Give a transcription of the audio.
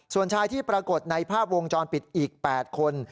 ส่วนชายที่ปรากฏในภาพวงจรปิดอีก๘คน